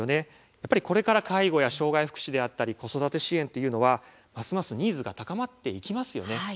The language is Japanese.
やはり、これから介護や障害福祉、子育て支援というのはこれからニーズが高まっていきますよね。